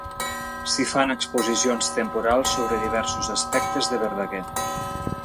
S'hi fan exposicions temporals sobre diversos aspectes de Verdaguer.